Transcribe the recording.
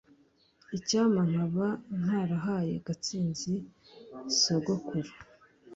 Icyampa nkaba ntarahaye Gatsinzi sogokuru